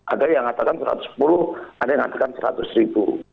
ada yang ngatakan satu ratus sepuluh ada yang katakan seratus ribu